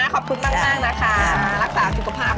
ขอบคุณมากนะคะ